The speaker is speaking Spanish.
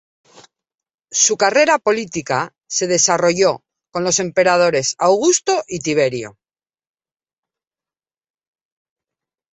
Su carrera política se desarrolló con los emperadores Augusto y Tiberio.